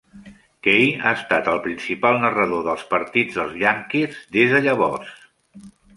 Kay ha estat el principal narrador dels partits dels Yankees des de llavors.